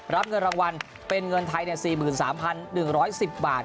รับเงินรางวัลเป็นเงินไทย๔๓๑๑๐บาท